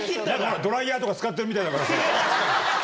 ドライヤーとか使ってるみたいだから。